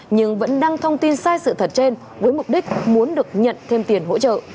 nhưng vẫn đăng thông tin sai sự thật trên với mục đích muốn được nhận thêm tiền hỗ trợ